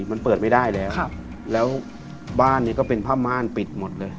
มันเปิดไม่ได้แล้วแล้วบ้านเนี่ยก็เป็นผ้าม่านปิดหมดเลย